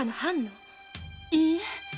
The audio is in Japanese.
いいえ。